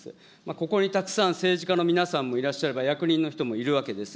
ここにたくさん政治家の皆さんもいらっしゃれば、役人の人もいるわけです。